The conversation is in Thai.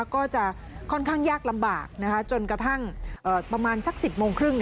ก็จะค่อนข้างยากลำบากจนกระทั่งประมาณสัก๑๐โมงครึ่ง